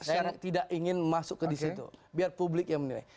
saya tidak ingin masuk ke disitu biar publik yang menilai